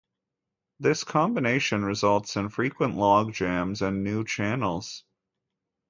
This combination results in frequent log jams and new channels.